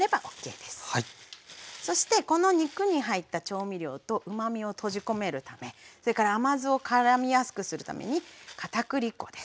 そしてこの肉に入った調味料とうまみを閉じ込めるためそれから甘酢をからみやすくするために片栗粉です。